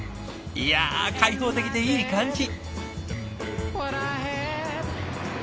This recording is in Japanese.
いや開放的でいい感じ！